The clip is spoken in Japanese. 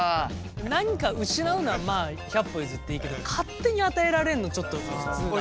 何か失うのはまあ百歩譲っていいけど勝手に与えられるのちょっと苦痛だわ。